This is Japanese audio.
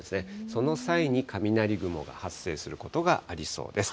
その際に雷雲が発生することがありそうです。